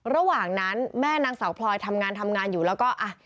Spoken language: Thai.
ระหว่างนั้นแม่นางสาวพลอยทำงานทำงานอยู่แล้วก็อ่ะ